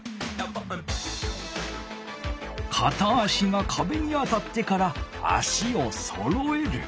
かた足がかべに当たってから足をそろえる。